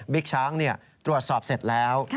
ช้างตรวจสอบเสร็จแล้ว